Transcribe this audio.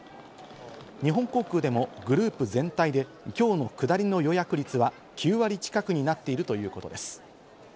日本航空でもグループ全体で今日の下りの予約率は９割近くになっているということです。